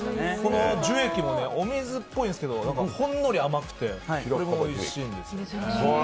この樹液もお水っぽいんですけど、ほんのり甘くて、とてもおいしいんです。